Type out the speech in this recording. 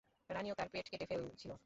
রানীও তার পেট কেটে ফেলছিল।